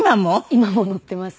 今も乗っています。